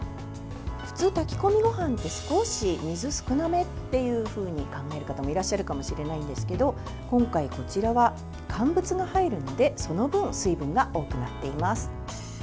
普通炊き込みご飯って少し水、少なめって考える方もいらっしゃるかもしれないんですけど今回、こちらは乾物が入るのでその分、水分が多くなっています。